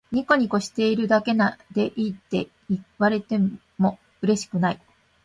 ニコニコしているだけでいいって言われてもうれしくない